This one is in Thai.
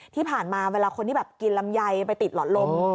ที่ผ่านมาเวลาคนที่แบบกินลำไยไปติดหลอดลม